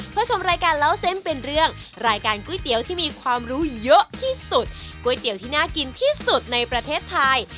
เพื่อชมรายการเล่าเส้นเป็นเรื่องรายการก๋วยเตี๋ยวที่มีความรู้เยอะที่สุดก๋วยเตี๋ยวที่น่ากินที่สุดในประเทศไทย